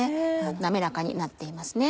滑らかになっています。